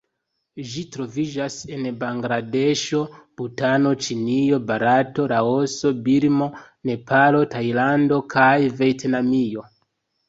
Ĝi troviĝas en Bangladeŝo, Butano, Ĉinio, Barato, Laoso, Birmo, Nepalo, Tajlando kaj Vjetnamio.